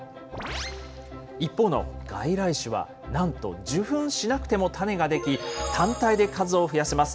一方の外来種はなんと、受粉しなくても種が出来、単体で数を増やせます。